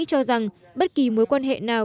cho rằng bất kỳ mối quan hệ nào